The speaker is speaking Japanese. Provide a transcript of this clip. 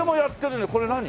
これ何？